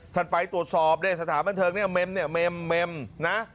ท่านไปตรวจสอบเนี่ยสถานบันเทิงเนี่ยเมมเนี่ยเมมเมมนะ